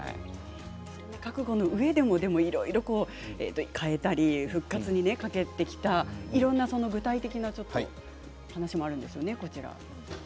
覚悟のうえでもいろいろ変えたり復活に懸けてきた具体的な話もあるんですね。